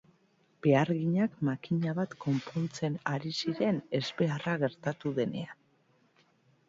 Beharginak makina bat konpontzen ari ziren ezbeharra gertatu denean.